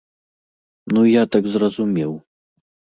Ну я так зразумеў.